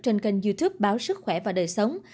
trên kênh youtube báo sức khỏe và đời sống